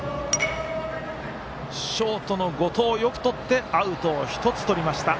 ショートの後藤、よくとってアウトを１つとりました。